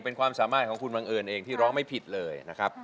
เป็นความสามารถของคุณบังเอิญเองที่ร้องไม่ผิดเลยนะครับ